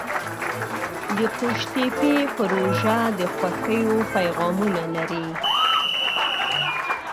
د قوشتېپې پروژه د خوښیو پیغامونه لري.